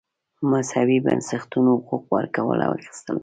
مذهبي بنسټونو حقوق ورکول او اخیستل.